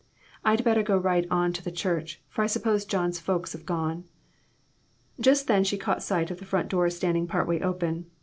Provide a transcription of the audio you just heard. "I'd better go right on to the church, for I s'pose John's folks have gone." Just then she caught sight of the front door standing part way open.